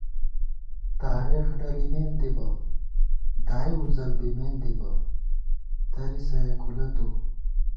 تارېخ ڈلِمېن دِبہ ، دائی وُزل بِمېن دِبہ ، درِسہ یېکُولہ تُو